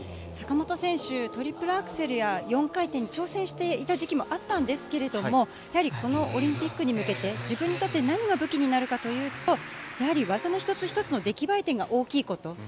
坂本選手、トリプルアクセルや４回転に挑戦していた時期もあったんですけれども、やはり、このオリンピックに向けて、自分にとって何が武器になるかというと、やはり技の一つ一つの出来栄え点が大きいこと。